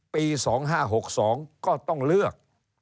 ปี๒๕๖๒ก็ต้องเลือก